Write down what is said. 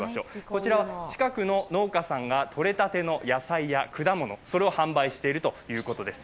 こちらは近くの農家さんがとれたての野菜や果物を販売しているということです。